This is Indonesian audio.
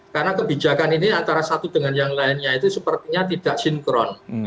karena kebijakan ini antara satu dengan yang lainnya itu sepertinya tidak sinkron